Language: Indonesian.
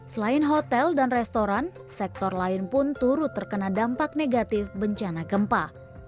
selain hotel dan restoran sektor lain pun turut terkena dampak negatif bencana gempa